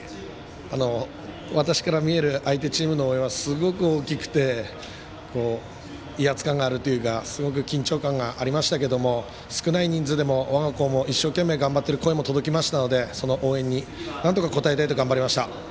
私から見える相手チームの応援はすごく大きくて威圧感があるというかすごく緊張感がありましたけれど少ない人数で我が校も一生懸命頑張って声も届きましたので、その応援になんとか応えたいと頑張りました。